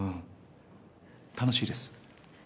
楽しいです。